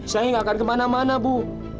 saya gak akan kemana mana ibu